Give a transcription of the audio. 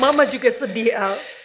mama juga sedih al